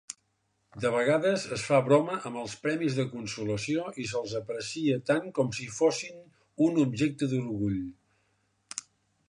De vegades es fa broma amb els premis de consolació i se'ls aprecia tant com si fossin un objecte d'orgull.